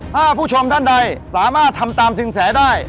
ถ้าผู้ชมท่านใดสามารถทำตามสินแสได้